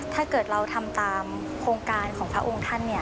ถ้าเกิดเราทำตามโครงการของพระองค์ท่าน